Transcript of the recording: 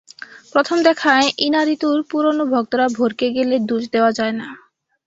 প্রথম দেখায় ইনারিতুর পুরোনো ভক্তরা ভড়কে গেলে দোষ দেওয়া যায় না।